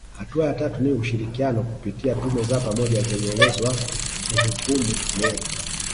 Hatua ya tatu ni ushirikiano kupitia tume za pamoja zenye uwezo wa kuhukumu meli